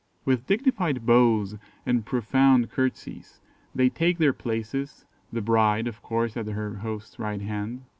With dignified bows and profound curtsies, they take their places, the bride, of course, at her host's right hand.